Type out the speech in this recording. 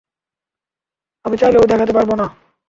আমি চাইলেও দেখাতে পারব না!